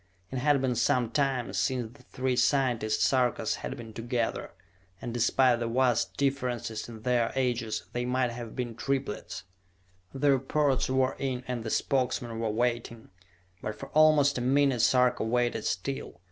It had been some time since the three scientist Sarkas had been together, and despite the vast differences in their ages they might have been triplets! The reports were in and the Spokesmen were waiting; but for almost a minute Sarka waited still.